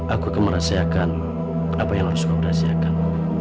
aku akan merahsiakan apa yang harus kuberahsiakan